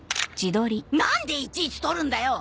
なんでいちいち撮るんだよ。